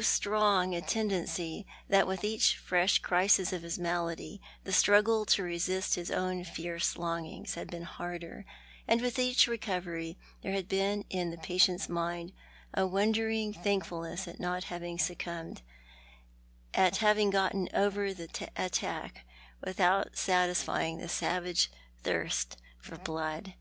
strong a tendency tliat with each fresh crisis of his malady the struggle to resist his own fierce longings had been harder, and with each recovery there had been in the patient's mind a wondering thankfulness at not having succumbed — at having got over the attack without satisfying the savage thirst for blood.